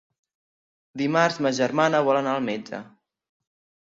Dimarts ma germana vol anar al metge.